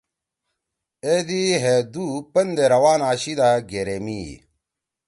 اے دی ہے دُو پندے روان آشیِدا گیریمی ہی۔